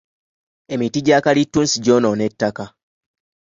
Emiti gya kalitunsi gyonoona ettaka.